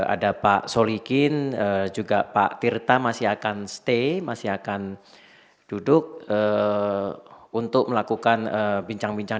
ada pak solikin juga pak tirta masih akan stay masih akan duduk untuk melakukan bincang bincang